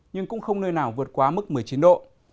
nhưng cũng không nơi nào vượt quá mức một mươi chín độ